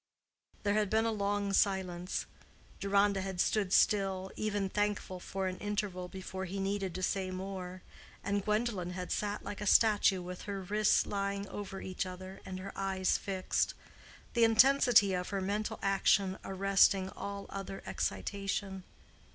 There had been a long silence. Deronda had stood still, even thankful for an interval before he needed to say more, and Gwendolen had sat like a statue with her wrists lying over each other and her eyes fixed—the intensity of her mental action arresting all other excitation.